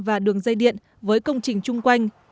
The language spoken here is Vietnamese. và đường dây điện với công trình chung quanh